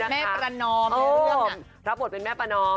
แม่ประนอมรับบทเป็นแม่ประนอม